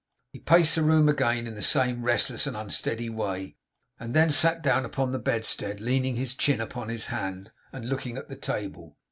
He paced the room again in the same restless and unsteady way; and then sat down upon the bedstead, leaning his chin upon his hand, and looking at the table.